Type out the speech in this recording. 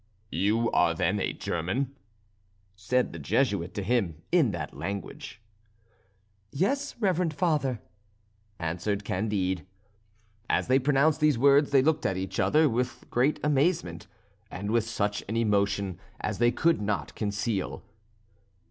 "You are, then, a German?" said the Jesuit to him in that language. "Yes, reverend Father," answered Candide. As they pronounced these words they looked at each other with great amazement, and with such an emotion as they could not conceal.